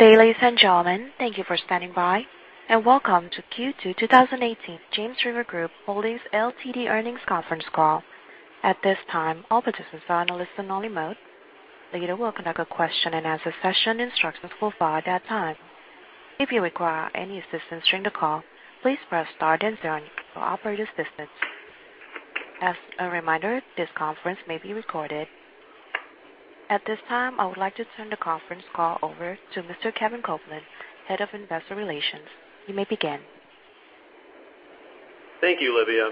Ladies and gentlemen, thank you for standing by and welcome to Q2 2018 James River Group Holdings, Ltd. Earnings Conference Call. At this time, all participants are on a listen-only mode. Later we'll conduct a question-and-answer session. Instructions will follow at that time. If you require any assistance during the call, please press star then zero for operator assistance. As a reminder, this conference may be recorded. At this time, I would like to turn the conference call over to Mr. Kevin Copeland, Head of Investor Relations. You may begin. Thank you, Livia.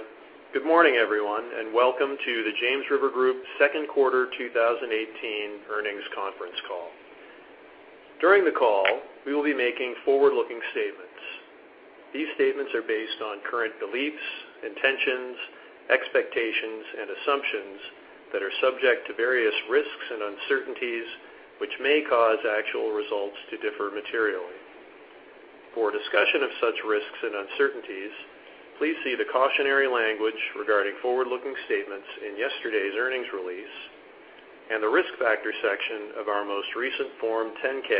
Good morning, everyone, and welcome to the James River Group second quarter 2018 earnings conference call. During the call, we will be making forward-looking statements. These statements are based on current beliefs, intentions, expectations, and assumptions that are subject to various risks and uncertainties, which may cause actual results to differ materially. For a discussion of such risks and uncertainties, please see the cautionary language regarding forward-looking statements in yesterday's earnings release and the Risk Factors section of our most recent Form 10-K,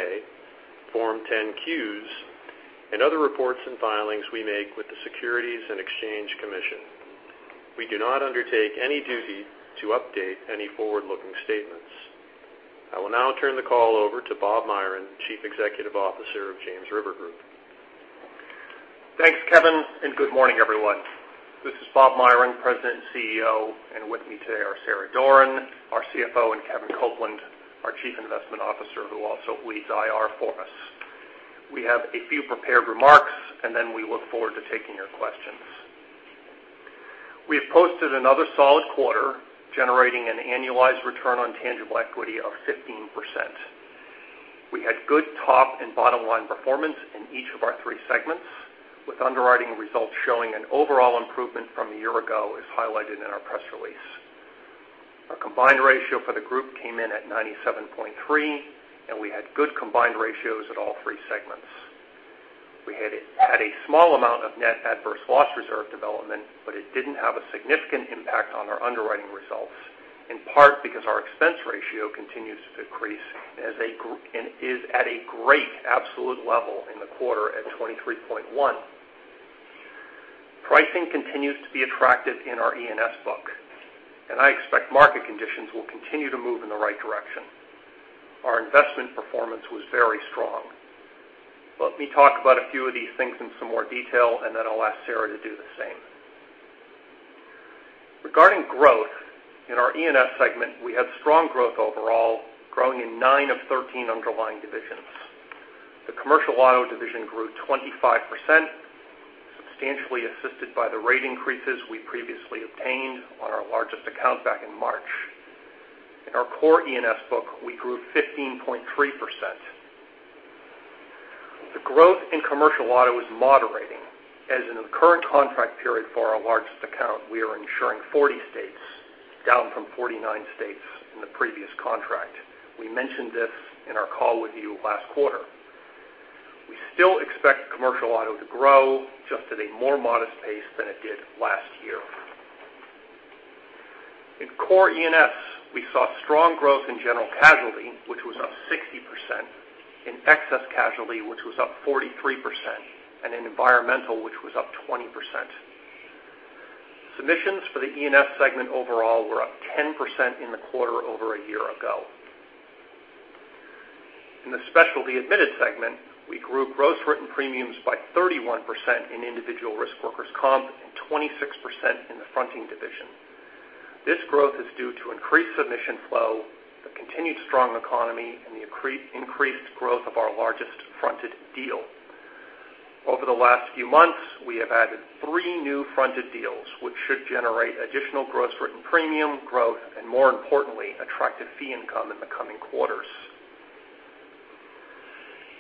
Form 10-Qs, and other reports and filings we make with the Securities and Exchange Commission. We do not undertake any duty to update any forward-looking statements. I will now turn the call over to Bob Myron, Chief Executive Officer of James River Group. Thanks, Kevin, and good morning, everyone. This is Bob Myron, President and CEO, and with me today are Sarah Doran, our CFO, and Kevin Copeland, our Chief Investment Officer, who also leads IR for us. We have a few prepared remarks, and then we look forward to taking your questions. We have posted another solid quarter, generating an annualized return on tangible equity of 15%. We had good top and bottom-line performance in each of our three segments, with underwriting results showing an overall improvement from a year ago, as highlighted in our press release. Our combined ratio for the group came in at 97.3, and we had good combined ratios at all three segments. We had a small amount of net adverse loss reserve development, but it didn't have a significant impact on our underwriting results, in part because our expense ratio continues to decrease and is at a great absolute level in the quarter at 23.1. Pricing continues to be attractive in our E&S book, and I expect market conditions will continue to move in the right direction. Our investment performance was very strong. Let me talk about a few of these things in some more detail, and then I'll ask Sarah to do the same. Regarding growth, in our E&S segment, we had strong growth overall, growing in 9 of 13 underlying divisions. The commercial auto division grew 25%, substantially assisted by the rate increases we previously obtained on our largest account back in March. In our core E&S book, we grew 15.3%. The growth in commercial auto is moderating, as in the current contract period for our largest account, we are insuring 40 states, down from 49 states in the previous contract. We mentioned this in our call with you last quarter. We still expect commercial auto to grow, just at a more modest pace than it did last year. In core E&S, we saw strong growth in general casualty, which was up 60%, in excess casualty, which was up 43%, and in environmental, which was up 20%. Submissions for the E&S segment overall were up 10% in the quarter over a year ago. In the specialty admitted segment, we grew gross written premiums by 31% in individual risk workers' comp and 26% in the fronting division. This growth is due to increased submission flow, the continued strong economy, and the increased growth of our largest fronted deal. Over the last few months, we have added three new fronted deals, which should generate additional gross written premium growth and, more importantly, attractive fee income in the coming quarters.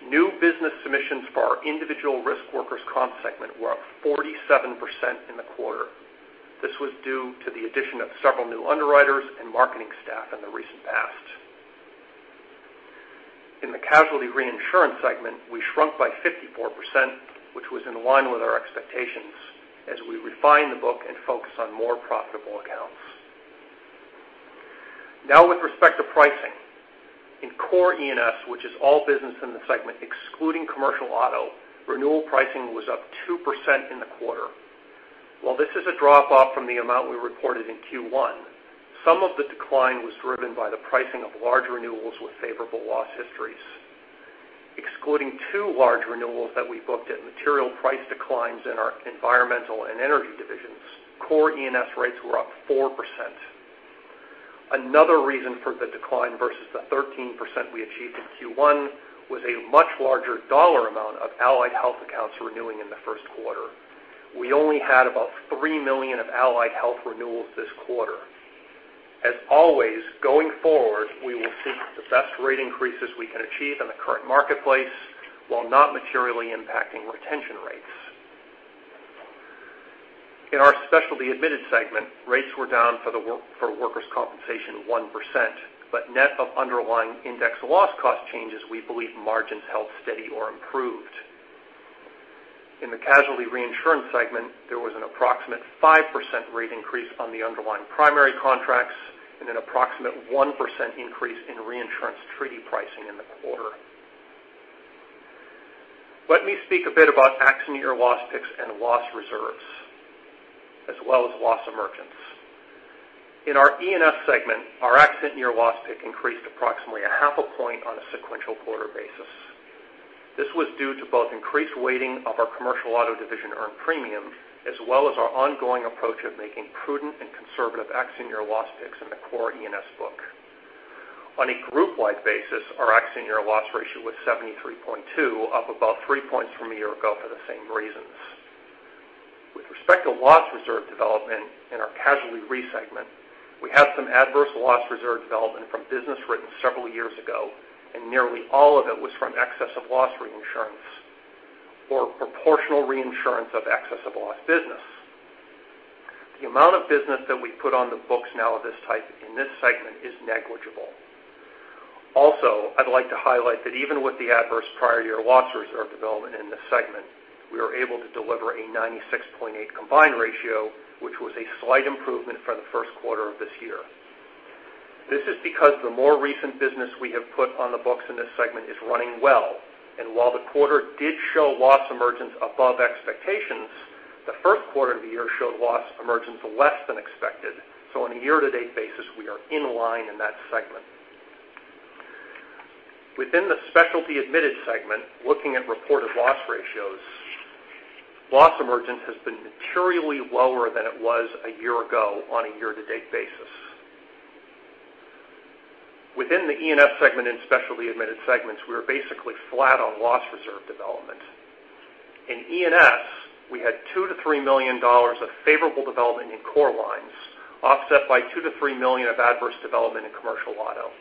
New business submissions for our individual risk workers' comp segment were up 47% in the quarter. This was due to the addition of several new underwriters and marketing staff in the recent past. In the casualty reinsurance segment, we shrunk by 54%, which was in line with our expectations as we refine the book and focus on more profitable accounts. Now with respect to pricing. In core E&S, which is all business in the segment excluding commercial auto, renewal pricing was up 2% in the quarter. While this is a drop-off from the amount we reported in Q1, some of the decline was driven by the pricing of large renewals with favorable loss histories. Excluding two large renewals that we booked at material price declines in our environmental and energy divisions, core E&S rates were up 4%. Another reason for the decline versus the 13% we achieved in Q1 was a much larger dollar amount of Allied Health accounts renewing in the first quarter. We only had about $3 million of Allied Health renewals this quarter. As always, going forward, we will seek the best rate increases we can achieve in the current marketplace while not materially impacting retention rates. In our specialty admitted segment, rates were down for workers' compensation 1%, but net of underlying index loss cost changes, we believe margins held steady or improved. In the casualty reinsurance segment, there was an approximate 5% rate increase on the underlying primary contracts and an approximate 1% increase in reinsurance treaty pricing in the quarter. Let me speak a bit about accident year loss picks and loss reserves, as well as loss emergence. In our E&S segment, our accident year loss pick increased approximately half a point on a sequential quarter basis. This was due to both increased weighting of our commercial auto division earned premium, as well as our ongoing approach of making prudent and conservative accident year loss picks in the core E&S book. On a group-wide basis, our accident year loss ratio was 73.2, up about three points from a year ago for the same reasons. With respect to loss reserve development in our casualty re-segment, we had some adverse loss reserve development from business written several years ago, and nearly all of it was from excess of loss reinsurance or proportional reinsurance of excess of loss business. The amount of business that we put on the books now of this type in this segment is negligible. I'd like to highlight that even with the adverse prior year loss reserve development in this segment, we were able to deliver a 96.8 combined ratio, which was a slight improvement from the first quarter of this year. This is because the more recent business we have put on the books in this segment is running well. While the quarter did show loss emergence above expectations, the first quarter of the year showed loss emergence less than expected. On a year-to-date basis, we are in line in that segment. Within the specialty admitted segment, looking at reported loss ratios, loss emergence has been materially lower than it was a year ago on a year-to-date basis. Within the E&S segment and specialty admitted segments, we were basically flat on loss reserve development. In E&S, we had $2 million-$3 million of favorable development in core lines, offset by $2 million-$3 million of adverse development in commercial auto.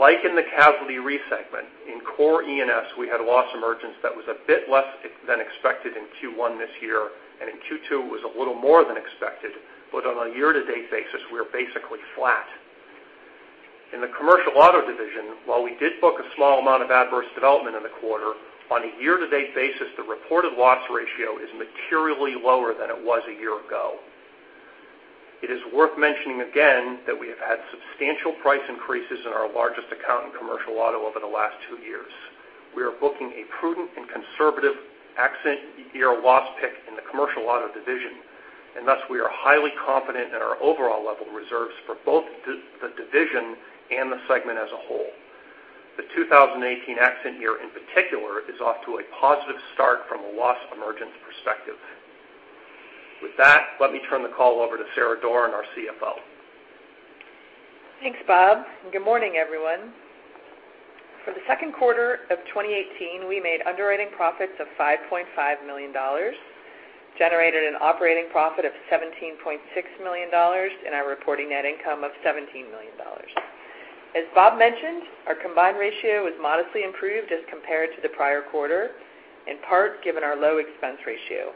Like in the casualty re-segment, in core E&S, we had loss emergence that was a bit less than expected in Q1 this year, and in Q2, it was a little more than expected. On a year-to-date basis, we are basically flat. In the commercial auto division, while we did book a small amount of adverse development in the quarter, on a year-to-date basis, the reported loss ratio is materially lower than it was a year ago. It is worth mentioning again that we have had substantial price increases in our largest account in commercial auto over the last two years. We are booking a prudent and conservative accident year loss pick in the commercial auto division. Thus, we are highly confident in our overall level of reserves for both the division and the segment as a whole. The 2018 accident year in particular is off to a positive start from a loss emergence perspective. With that, let me turn the call over to Sarah Doran, our CFO. Thanks, Bob, and good morning, everyone. For the second quarter of 2018, we made underwriting profits of $5.5 million, generated an operating profit of $17.6 million, reporting net income of $17 million. As Bob mentioned, our combined ratio was modestly improved as compared to the prior quarter, in part given our low expense ratio.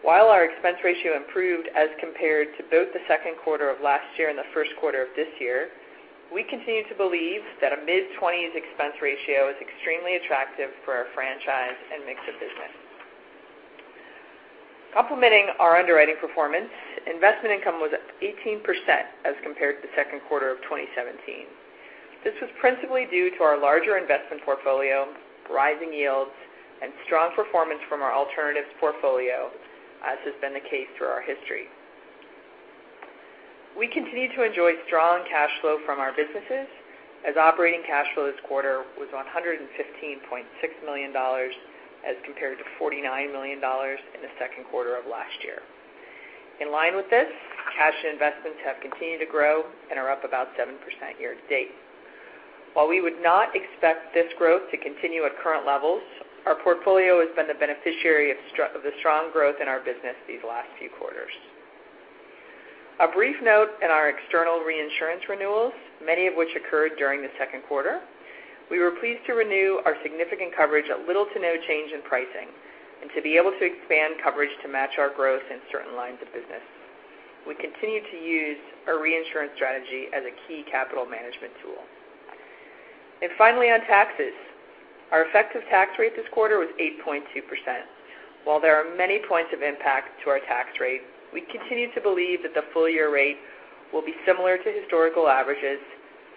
While our expense ratio improved as compared to both the second quarter of last year and the first quarter of this year, we continue to believe that a mid-20s expense ratio is extremely attractive for our franchise and mix of business. Complementing our underwriting performance, investment income was up 18% as compared to the second quarter of 2017. This was principally due to our larger investment portfolio, rising yields, and strong performance from our alternatives portfolio, as has been the case through our history. We continue to enjoy strong cash flow from our businesses, as operating cash flow this quarter was $115.6 million as compared to $49 million in the second quarter of last year. In line with this, cash investments have continued to grow and are up about 7% year to date. While we would not expect this growth to continue at current levels, our portfolio has been the beneficiary of the strong growth in our business these last few quarters. A brief note on our external reinsurance renewals, many of which occurred during the second quarter. We were pleased to renew our significant coverage at little to no change in pricing and to be able to expand coverage to match our growth in certain lines of business. We continue to use our reinsurance strategy as a key capital management tool. Finally, on taxes, our effective tax rate this quarter was 8.2%. While there are many points of impact to our tax rate, we continue to believe that the full-year rate will be similar to historical averages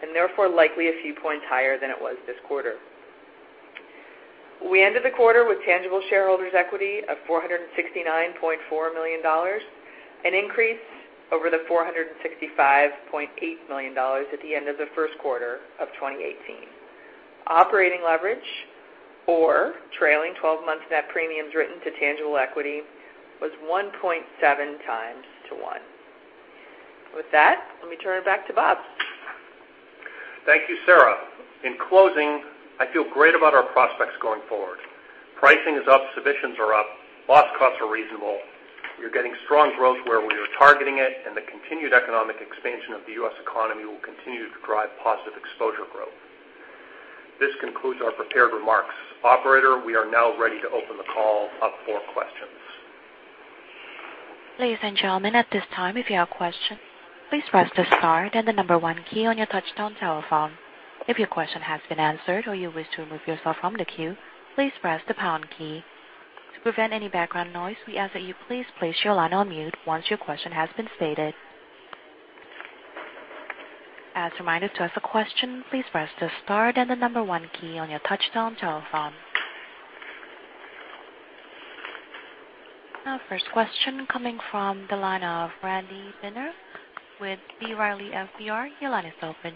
and therefore likely a few points higher than it was this quarter. We ended the quarter with tangible shareholders' equity of $469.4 million, an increase over the $465.8 million at the end of the first quarter of 2018. Operating leverage or trailing 12 months net premiums written to tangible equity was 1.7 times to one. With that, let me turn it back to Bob. Thank you, Sarah. In closing, I feel great about our prospects going forward. Pricing is up, submissions are up, loss costs are reasonable. We are getting strong growth where we are targeting it, and the continued economic expansion of the U.S. economy will continue to drive positive exposure growth. This concludes our prepared remarks. Operator, we are now ready to open the call up for questions. Ladies and gentlemen, at this time, if you have a question, please press the star then the number one key on your touch-tone telephone. If your question has been answered or you wish to remove yourself from the queue, please press the pound key. To prevent any background noise, we ask that you please place your line on mute once your question has been stated. As reminded, to ask a question, please press the star then the number one key on your touch-tone telephone. Our first question coming from the line of Randy Binner with B. Riley FBR. Your line is open.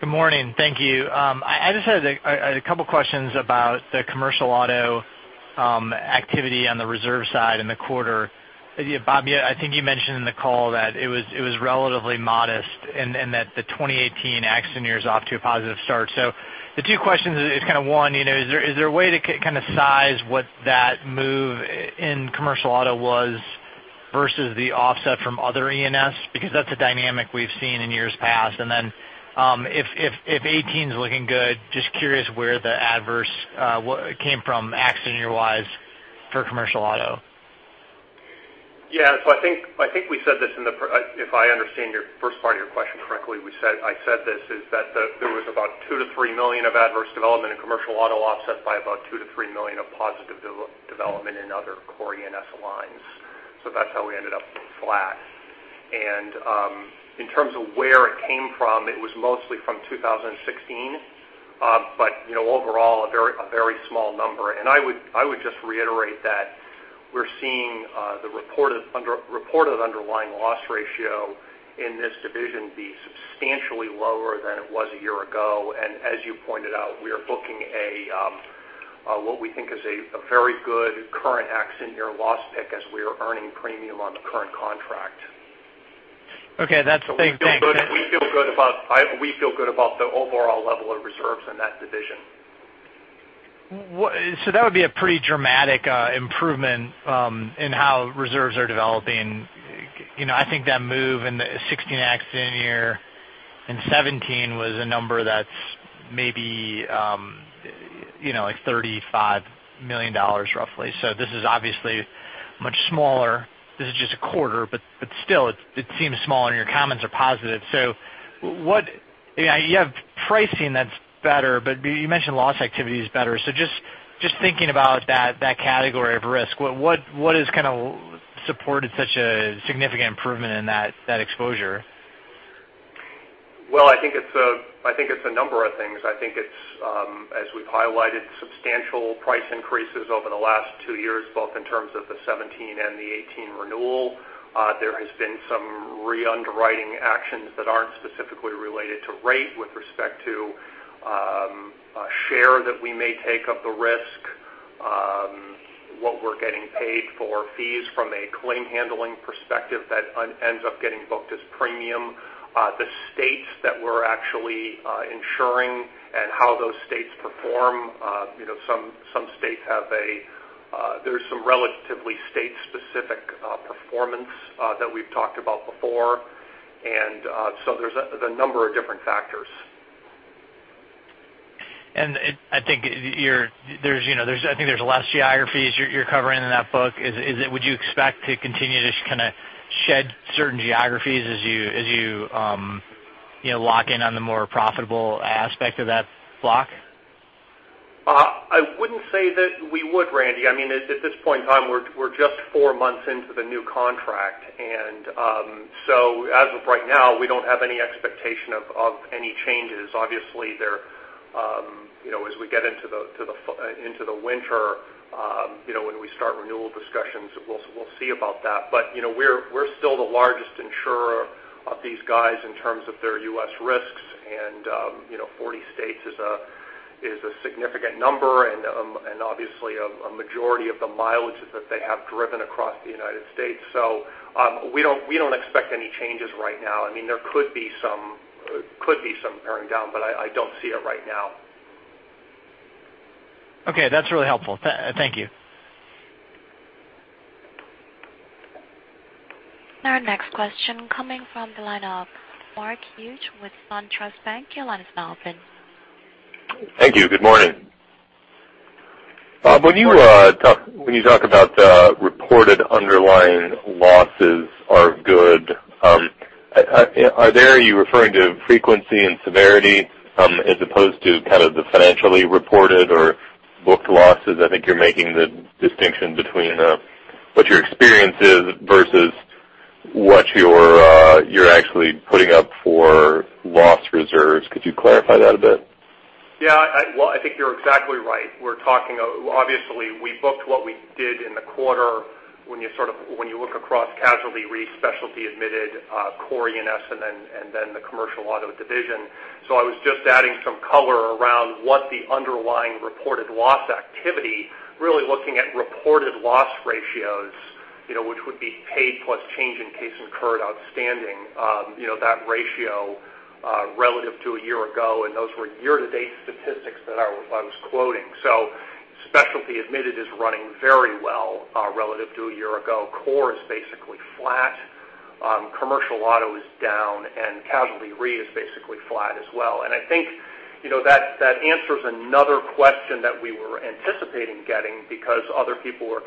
Good morning. Thank you. I just had a couple questions about the commercial auto activity on the reserve side in the quarter. Bob, I think you mentioned in the call that it was relatively modest and that the 2018 accident year is off to a positive start. The two questions is, one, is there a way to kind of size what that move in commercial auto was versus the offset from other E&S? That's a dynamic we've seen in years past. If 2018's looking good, just curious where the adverse came from, accident year-wise, for commercial auto. Yeah. I think we said this, if I understand your first part of your question correctly, I said this, is that there was about $2 million-$3 million of adverse development in commercial auto offset by about $2 million-$3 million of positive development in other core E&S lines. That's how we ended up flat. In terms of where it came from, it was mostly from 2016. Overall, a very small number. I would just reiterate that we're seeing the reported underlying loss ratio in this division be substantially lower than it was a year ago. As you pointed out, we are booking what we think is a very good current accident year loss pick as we are earning premium on the current contract. Okay. That's a big thing. We feel good about the overall level of reserves in that division. That would be a pretty dramatic improvement in how reserves are developing. I think that move in the 2016 accident year and 2017 was a number that's maybe like $35 million roughly. This is obviously much smaller. This is just a quarter, but still, it seems smaller, and your comments are positive. You have pricing that's better, but you mentioned loss activity is better. Just thinking about that category of risk, what has kind of supported such a significant improvement in that exposure? Well, I think it's a number of things. I think it's, as we've highlighted, substantial price increases over the last two years, both in terms of the 2017 and the 2018 renewal. There has been some re-underwriting actions that aren't specifically related to rate with respect to share that we may take of the risk, what we're getting paid for fees from a claim handling perspective that ends up getting booked as premium. The states that we're actually insuring and how those states perform. There's some relatively state-specific performance that we've talked about before. There's a number of different factors. I think there's less geographies you're covering in that book. Would you expect to continue to kind of shed certain geographies as you lock in on the more profitable aspect of that block? I wouldn't say that we would, Randy. I mean, at this point in time, we're just four months into the new contract. As of right now, we don't have any expectation of any changes. Obviously, as we get into the winter, when we start renewal discussions, we'll see about that. We're still the largest insurer of these guys in terms of their U.S. risks, and 40 states is a significant number, and obviously a majority of the mileages that they have driven across the United States. We don't expect any changes right now. I mean, there could be some paring down, but I don't see it right now. Okay. That's really helpful. Thank you. Our next question coming from the line of Mark Hughes with SunTrust Bank. Your line is now open. Thank you. Good morning. Good morning. Bob, when you talk about reported underlying losses are good, are you referring to frequency and severity, as opposed to kind of the financially reported or booked losses? I think you're making the distinction between what your experience is versus what you're actually putting up for loss reserves. Could you clarify that a bit? Yeah. Well, I think you're exactly right. Obviously, we booked what we did in the quarter when you look across casualty, re, specialty admitted, core E&S, and then the commercial auto division. I was just adding some color around what the underlying reported loss activity, really looking at reported loss ratios, which would be paid plus change in case incurred outstanding, that ratio relative to a year ago, and those were year-to-date statistics that I was quoting. Specialty admitted is running very well relative to a year ago. Core is basically flat. Commercial auto is down, and casualty re is basically flat as well. I think that answers another question that we were anticipating getting because other people have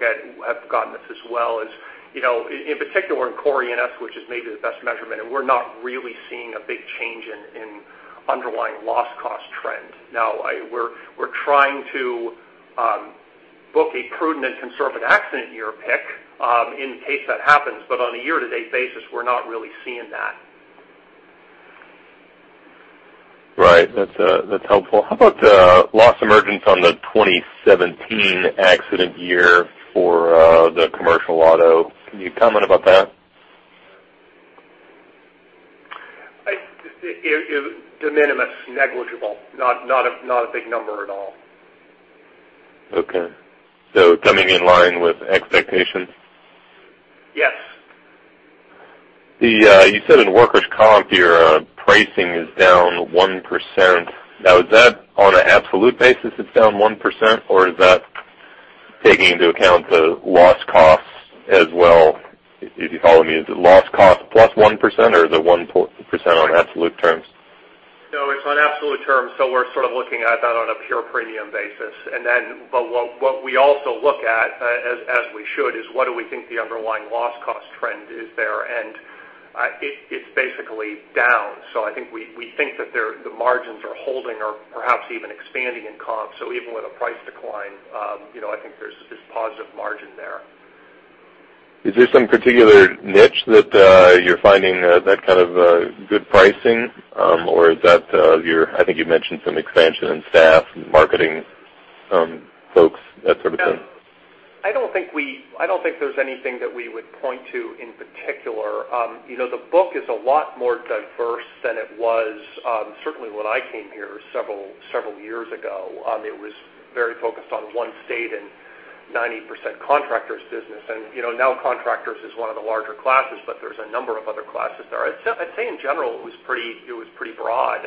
gotten this as well is, in particular in core E&S, which is maybe the best measurement, and we're not really seeing a big change in underlying loss cost trend. Now, we're trying to book a prudent and conservative accident year pick in case that happens, but on a year-to-date basis, we're not really seeing that. Right. That's helpful. How about loss emergence on the 2017 accident year for the commercial auto? Can you comment about that? De minimis. Negligible. Not a big number at all. Okay. Coming in line with expectations? Yes. You said in workers' comp, your pricing is down 1%. Is that on an absolute basis it's down 1%, or is that taking into account the loss costs as well? If you follow me, is it loss cost plus 1%, or is it 1% on absolute terms? No, it's on absolute terms, we're sort of looking at that on a pure premium basis. What we also look at, as we should, is what do we think the underlying loss cost trend is there. It's basically down. I think we think that the margins are holding or perhaps even expanding in comp. Even with a price decline, I think there's this positive margin there. Is there some particular niche that you're finding that kind of good pricing? Is that your, I think you mentioned some expansion in staff and marketing folks, that sort of thing. No. I don't think there's anything that we would point to in particular. The book is a lot more diverse than it was certainly when I came here several years ago. It was very focused on one state and 90% contractors business. Now contractors is one of the larger classes, but there's a number of other classes there. I'd say in general, it was pretty broad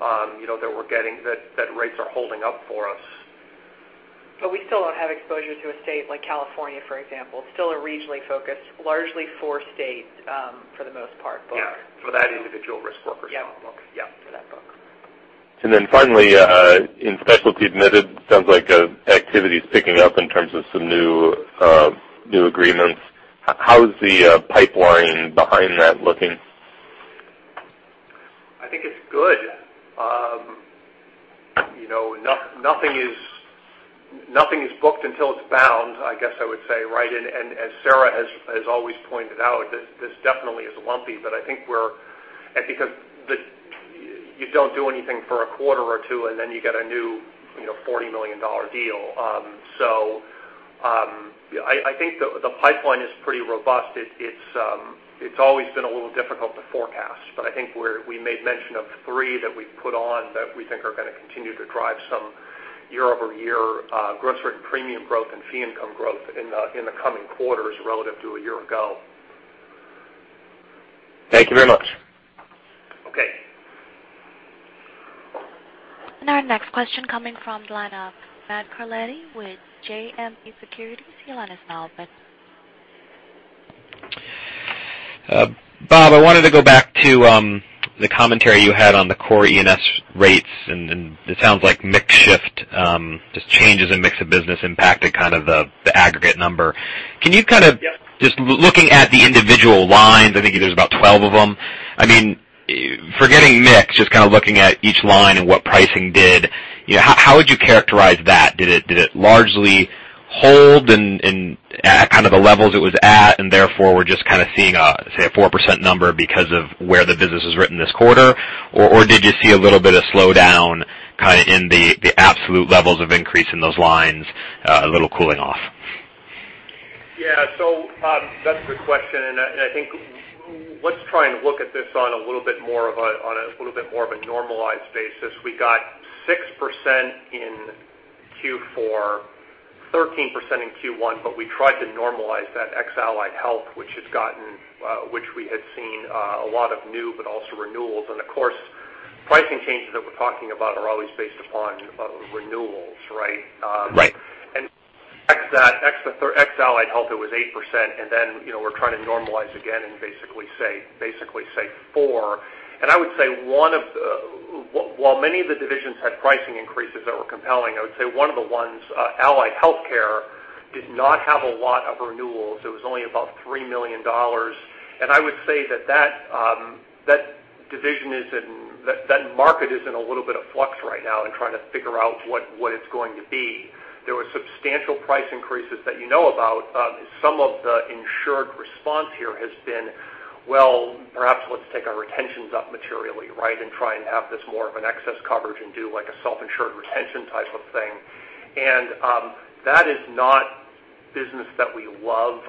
that rates are holding up for us. We still have exposure to a state like California, for example. Still a regionally focused, largely four states for the most part book. Yeah. For that individual risk workers' comp book. Yeah. For that book. Then finally, in specialty admitted, sounds like activity's picking up in terms of some new agreements. How's the pipeline behind that looking? I think it's good. Nothing is booked until it's bound, I guess I would say, right? As Sarah has always pointed out, this definitely is lumpy, I think because you don't do anything for a quarter or two, then you get a new $40 million deal. I think the pipeline is pretty robust. It's always been a little difficult to forecast, but I think we made mention of three that we've put on that we think are going to continue to drive some year-over-year gross written premium growth and fee income growth in the coming quarters relative to a year ago. Thank you very much. Okay. Our next question coming from the line of Matthew Carletti with JMP Securities. Your line is now open. Bob, I wanted to go back to the commentary you had on the core E&S rates, and it sounds like mix shift, just changes in mix of business impacted kind of the aggregate number. Yep. Just looking at the individual lines, I think there's about 12 of them. Forgetting mix, just kind of looking at each line and what pricing did, how would you characterize that? Did it largely hold in kind of the levels it was at, and therefore we're just kind of seeing, say, a 4% number because of where the business was written this quarter? Or did you see a little bit of slowdown kind of in the absolute levels of increase in those lines, a little cooling off? Yeah. That's a good question, and I think let's try and look at this on a little bit more of a normalized basis. We got 6% in Q4, 13% in Q1, but we tried to normalize that ex Allied Health, which we had seen a lot of new, but also renewals. Of course, pricing changes that we're talking about are always based upon renewals, right? Right. Ex Allied Health, it was 8%. Then we're trying to normalize again and basically say 4%. I would say while many of the divisions had pricing increases that were compelling, I would say one of the ones, Allied Healthcare, did not have a lot of renewals. It was only about $3 million. I would say that market is in a little bit of flux right now in trying to figure out what it's going to be. There were substantial price increases that you know about. Some of the insured response here has been, well, perhaps let's take our retentions up materially, right? Try and have this more of an excess coverage and do like a self-insured retention type of thing. That is not business that we love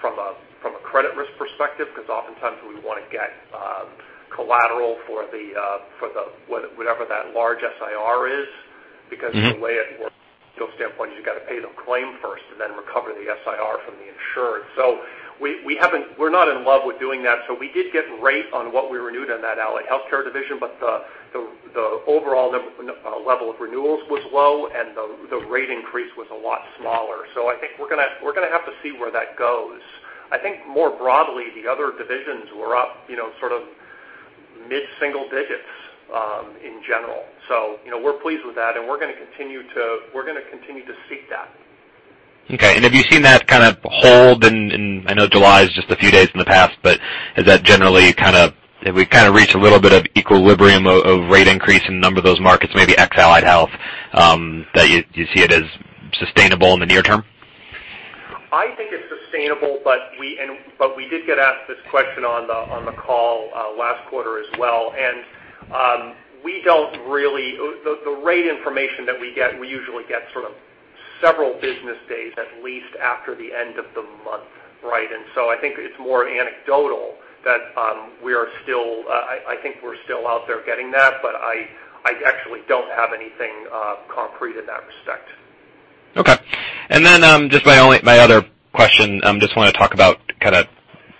from a credit risk perspective, because oftentimes we want to get collateral for whatever that large SIR is. The way it works from a standpoint, you got to pay the claim first and then recover the SIR from the insured. We're not in love with doing that. We did get rate on what we renewed in that Allied Healthcare division, but the overall level of renewals was low, and the rate increase was a lot smaller. I think we're going to have to see where that goes. I think more broadly, the other divisions were up sort of mid-single digits in general. We're pleased with that, and we're going to continue to seek that. Okay. Have you seen that kind of hold in, I know July is just a few days in the past, but have we kind of reached a little bit of equilibrium of rate increase in a number of those markets, maybe ex Allied Health, that you see it as sustainable in the near term? I think it's sustainable, but we did get asked this question on the call last quarter as well. The rate information that we get, we usually get sort of several business days at least after the end of the month, right? I think it's more anecdotal that I think we're still out there getting that, but I actually don't have anything concrete in that respect. Okay. Just my other question, just want to talk about kind of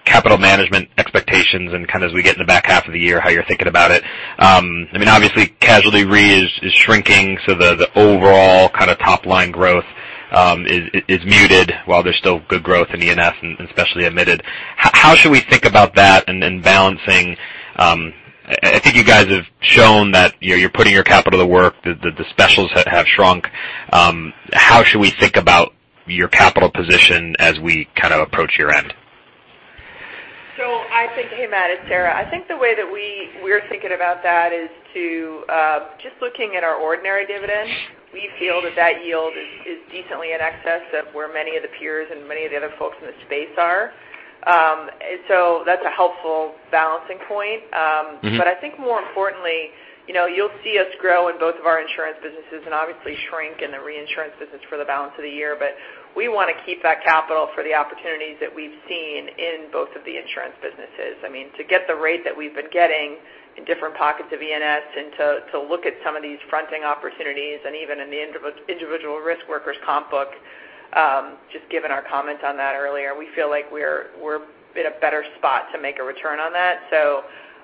capital management expectations and kind of as we get in the back half of the year, how you're thinking about it. Obviously casualty re is shrinking, so the overall kind of top-line growth is muted while there's still good growth in E&S and specialty admitted. How should we think about that and balancing, I think you guys have shown that you're putting your capital to work, the specials have shrunk. How should we think about your capital position as we kind of approach year-end? I think, hey Matt, it's Sarah. I think the way that we're thinking about that is to just looking at our ordinary dividend. We feel that that yield is decently in excess of where many of the peers and many of the other folks in the space are. That's a helpful balancing point. I think more importantly, you'll see us grow in both of our insurance businesses and obviously shrink in the reinsurance business for the balance of the year. We want to keep that capital for the opportunities that we've seen in both of the insurance businesses. To get the rate that we've been getting in different pockets of E&S and to look at some of these fronting opportunities and even in the individual risk workers' comp book, just given our comments on that earlier, we feel like we're in a better spot to make a return on that.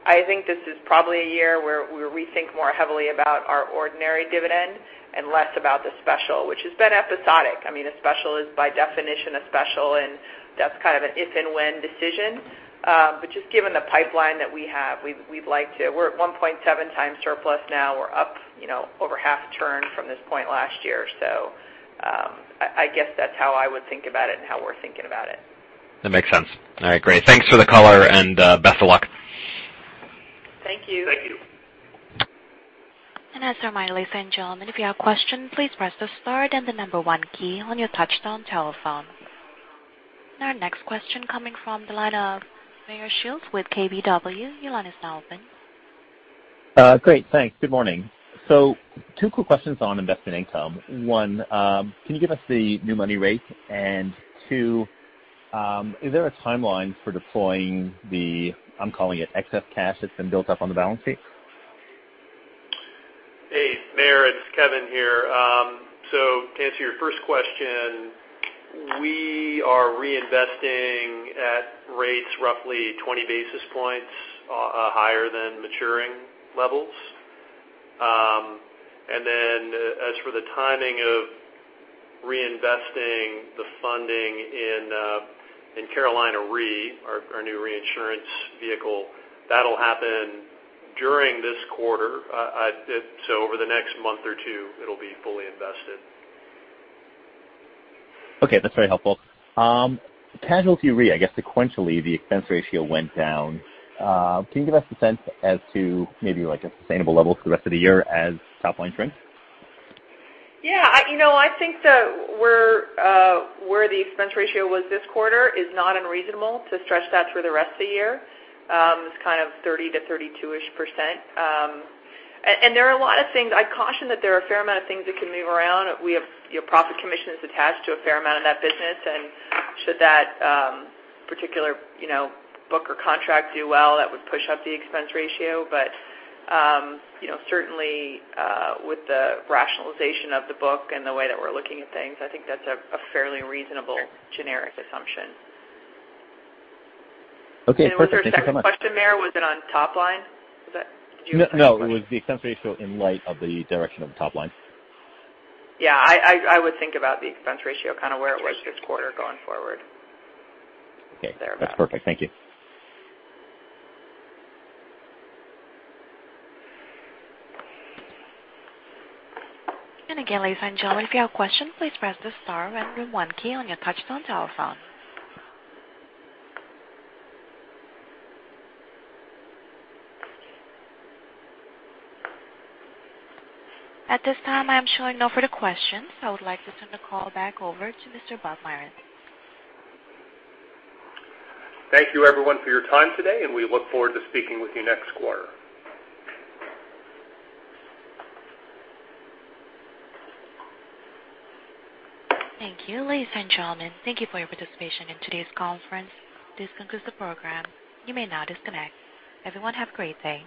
I think this is probably a year where we think more heavily about our ordinary dividend and less about the special, which has been episodic. A special is by definition a special, and that's kind of an if and when decision. We're at 1.7 times surplus now. We're up over half turn from this point last year. I guess that's how I would think about it and how we're thinking about it. That makes sense. All right, great. Thanks for the color and best of luck. Thank you. Thank you. As a reminder, ladies and gentlemen, if you have questions, please press the star then the number one key on your touchtone telephone. Our next question coming from the line of Meyer Shields with KBW. Your line is now open. Great, thanks. Good morning. Two quick questions on investment income. 1, can you give us the new money rate? 2, is there a timeline for deploying the, I'm calling it excess cash that's been built up on the balance sheet? Hey, Meyer, it's Kevin here. To answer your first question, we are reinvesting at rates roughly 20 basis points higher than maturing levels. As for the timing of reinvesting the funding in Carolina Re, our new reinsurance vehicle, that'll happen during this quarter. Over the next month or two, it'll be fully invested. Okay, that's very helpful. Casualty Re, I guess sequentially, the expense ratio went down. Can you give us a sense as to maybe like a sustainable level for the rest of the year as top line trends? Yeah, I think that where the expense ratio was this quarter is not unreasonable to stretch that through the rest of the year. It's kind of 30%-32%-ish. There are a lot of things. I caution that there are a fair amount of things that can move around. We have profit commissions attached to a fair amount of that business. Should that particular book or contract do well, that would push up the expense ratio. Certainly with the rationalization of the book and the way that we're looking at things, I think that's a fairly reasonable generic assumption. Okay, perfect. Thank you so much. What's your second question, Meyer? Was it on top line? No, it was the expense ratio in light of the direction of top line. Yeah, I would think about the expense ratio kind of where it was this quarter going forward. Okay. There about. That's perfect. Thank you. Again, ladies and gentlemen, if you have questions, please press the star and number 1 key on your touchtone telephone. At this time, I am showing no further questions. I would like to turn the call back over to Mr. Bob Myron. Thank you everyone for your time today, and we look forward to speaking with you next quarter. Thank you. Ladies and gentlemen, thank you for your participation in today's conference. This concludes the program. You may now disconnect. Everyone have a great day.